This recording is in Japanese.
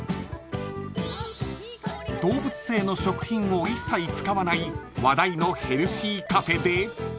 ［動物性の食品を一切使わない話題のヘルシーカフェで］